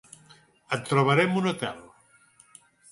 Et trobarem un hotel.